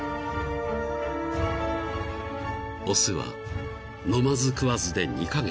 ［雄は飲まず食わずで２カ月］